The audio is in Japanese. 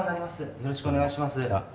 よろしくお願いします。